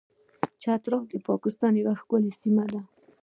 چترال د پاکستان یوه ښکلې سیمه ده.